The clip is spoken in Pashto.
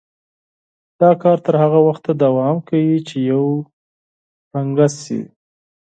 دا کار تر هغه وخته دوام کوي چې یو شان شي.